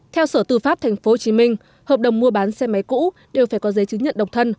theo sở tư pháp tp hcm hợp đồng mua bán xe máy cũ đều phải có giấy chứng nhận độc thân